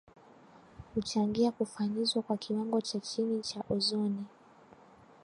huchangia kufanyizwa kwa kiwango cha chini cha ozoni